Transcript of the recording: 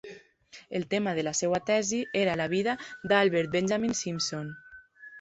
El tema de la seva tesi era la vida d'Albert Benjamin Simpson.